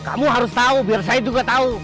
kamu harus tahu biar saya juga tahu